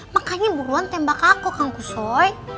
makanya buruan tembak aku kang kusoy